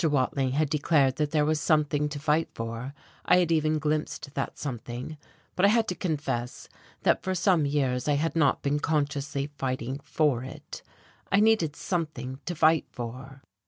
Watling had declared that there was something to fight for; I had even glimpsed that something, but I had to confess that for some years I had not been consciously fighting for it. I needed something to fight for.